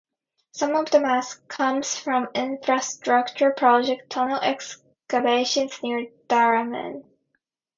Some of the mass comes from infrastructure projects (tunnel excavations) near Drammen.